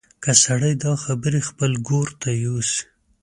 که سړی دا خبرې خپل ګور ته یوسي.